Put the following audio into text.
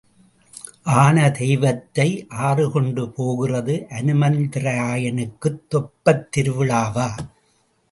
ஆன தெய்வத்தை ஆறு கொண்டு போகிறது அனுமந்தராயனுக்குத் தெப்பத் திருவிழாவா?